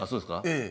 ええ。